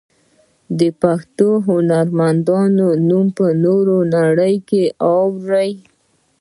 د پښتو هنرمندانو نوم به نوره نړۍ واوري.